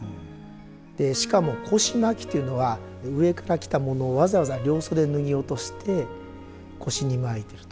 しかも腰巻というのは上から着たものをわざわざ両袖脱ぎ落として腰に巻いてると。